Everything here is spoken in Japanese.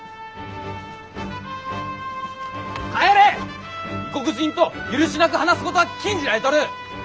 異国人と許しなく話すことは禁じられとる。